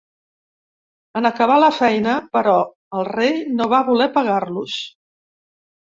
En acabar la feina, però, el rei no va voler pagar-los.